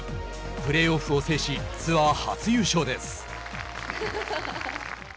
プレーオフを制しツアー初優勝です。